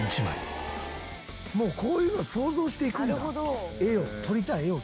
もうこういうのを想像して行くんだ。